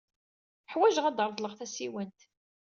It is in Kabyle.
Ḥwajeɣ ad d-reḍleɣ tasiwant.